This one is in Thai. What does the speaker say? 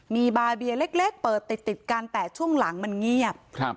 มีบาเบียเล็กเปิดติดติดกันแต่ช่วงหลังมันเงียบ